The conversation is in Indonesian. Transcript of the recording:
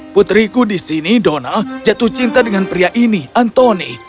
putriku di sini dona jatuh cinta dengan pria ini antoni